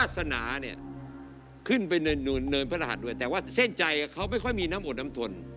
แต่ว่าเส้นใจเขาไม่ค่อยมีน้ำอดน้ำถน